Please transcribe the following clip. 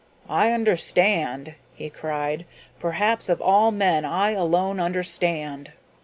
"I understand," he cried. "Perhaps of all men I alone understand."